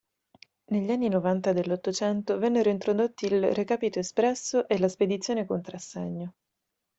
Negli anni Novanta dell'Ottocento vennero introdotti il "recapito espresso" e la "spedizione contrassegno".